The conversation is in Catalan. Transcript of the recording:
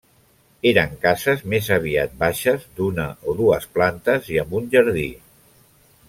Eren cases més aviat baixes, d'una o dues plantes i amb un jardí.